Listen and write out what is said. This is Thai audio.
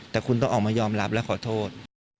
แต่คุณต้องออกมายอมรับและขอโทษ